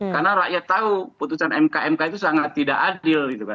karena rakyat tahu putusan mkmk itu sangat tidak adil